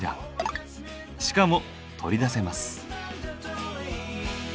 しかも取り出せます。